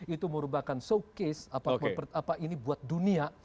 itu merupakan showcase ini buat dunia